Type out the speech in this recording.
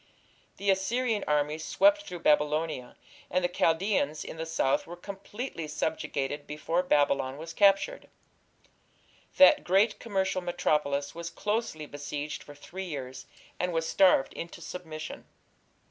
The Assyrian armies swept through Babylonia, and the Chaldeans in the south were completely subjugated before Babylon was captured. That great commercial metropolis was closely besieged for three years, and was starved into submission.